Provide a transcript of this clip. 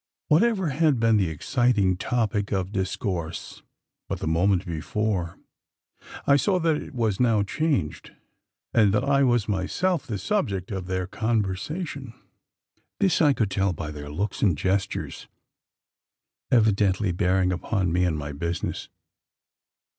Whatever had been the exciting topic of discourse but the moment before, I saw that it was now changed; and that I was myself the subject of their conversation. This I could tell by their looks and gestures evidently bearing upon me and my business.